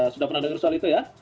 sudah pernah ada hal itu ya